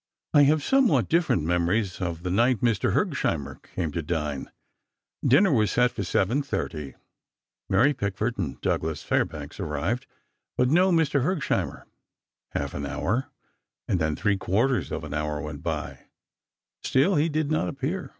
I have somewhat different memories of the night Mr. Hergesheimer came to dine. Dinner was set for 7:30; Mary Pickford and Douglas Fairbanks arrived, but no Mr. Hergesheimer. Half an hour and then three quarters of an hour went by—still he did not appear.